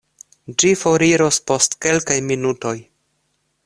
Ĝi foriros post kelkaj minutoj.